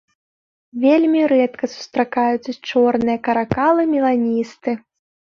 Вельмі рэдка сустракаюцца чорныя каракалы-меланісты.